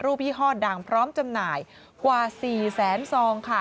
ยี่ห้อดังพร้อมจำหน่ายกว่า๔แสนซองค่ะ